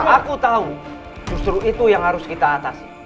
aku tahu justru itu yang harus kita atasi